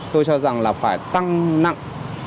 tôi cho rằng là phải tăng nặng